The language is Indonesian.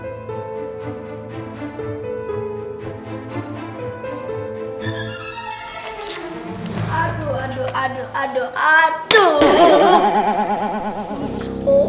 aduh aduh aduh aduh aduh aduh